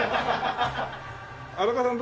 荒川さん